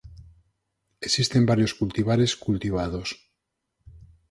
Existen varios cultivares cultivados.